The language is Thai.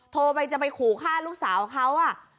โทรไปจะไปขู่ฆ่าลูกสาวเขา